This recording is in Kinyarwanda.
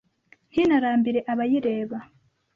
Ntinarambire abayireba ;